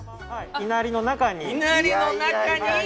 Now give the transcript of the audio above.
いなりの中に？